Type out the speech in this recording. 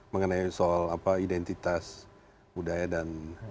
mengenai soal identitas budaya dan